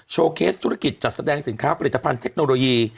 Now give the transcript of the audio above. เคสธุรกิจจัดแสดงสินค้าผลิตภัณฑ์เทคโนโลยี